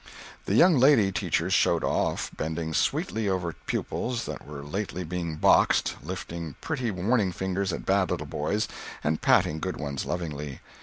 The young lady teachers "showed off"—bending sweetly over pupils that were lately being boxed, lifting pretty warning fingers at bad little boys and patting good ones lovingly.